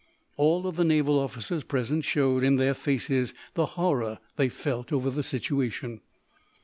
All of the naval officers present showed, in their faces, the horror they felt over the situation.